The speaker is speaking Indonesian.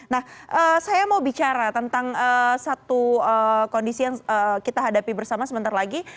nah saya mau bicara tentang satu kondisi yang kita hadapi bersama sebentar lagi